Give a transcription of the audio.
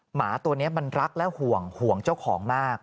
หมาตัวนี้มันรักและห่วงห่วงเจ้าของมาก